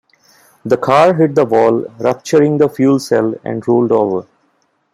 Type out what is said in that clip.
The car hit the wall, rupturing the fuel cell, and rolled over.